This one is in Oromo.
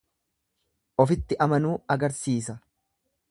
Ofitti amanuu agarsiisa.